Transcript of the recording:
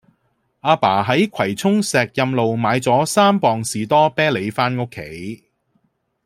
亞爸喺葵涌石蔭路買左三磅士多啤梨返屋企